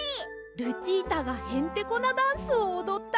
ルチータがへんてこなダンスをおどったり！